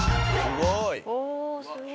すごい。